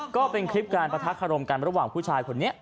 ก็เป็นคลิปการประทักษรมกันระหว่างผู้ชายคนนี้